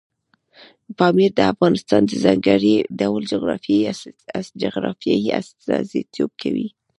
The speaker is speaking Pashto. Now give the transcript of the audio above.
پامیر د افغانستان د ځانګړي ډول جغرافیې استازیتوب کوي.